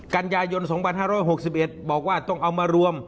กันยายน๒๕๖๑บอกว่าต้องเอามารวม